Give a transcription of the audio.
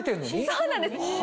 そうなんです。